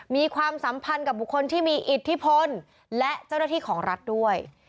มีความสัมพันธ์กับบุคคลที่มีอิทธิพลและเจ้าหน้าที่ของรัฐด้วย